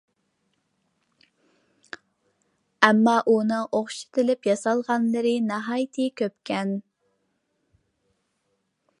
ئەمما ئۇنىڭ ئوخشىتىپ ياسالغانلىرى ناھايىتى كۆپكەن.